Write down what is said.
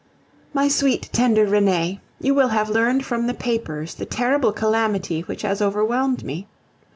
My sweet, tender Renee, you will have learned from the papers the terrible calamity which has overwhelmed me.